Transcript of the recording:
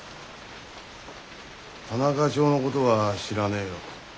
田中町のごどは知らねえよ。